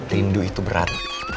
rindu itu berat